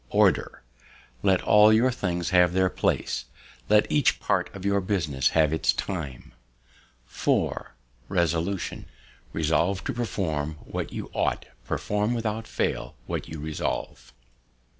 Order. Let all your things have their places; let each part of your business have its time. 4. Resolution. Resolve to perform what you ought; perform without fail what you resolve.